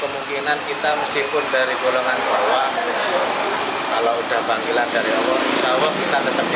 kemungkinan kita mesin pun dari golongan bawah kalau udah panggilan dari awal awal kita tetapi